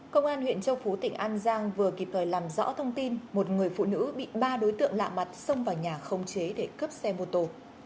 công an huyện châu phú tỉnh an giang vừa kịp thời làm rõ thông tin một người phụ nữ bị ba đối tượng lạ mặt xông vào nhà không chế để cướp xe mô tô